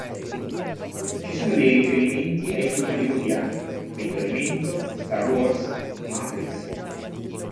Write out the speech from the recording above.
Ci sono dei riferimenti ai film hollywoodiani: "Il quinto elemento", "Star Wars", "Matrix".